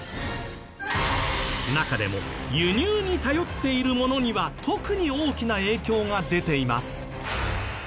中でも輸入に頼っているものには特に大きな影響が出ています。